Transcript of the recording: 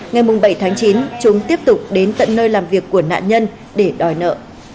ngày bảy tháng chín chúng tiếp tục đến tận nơi làm việc của nạn nhân để đòi nợ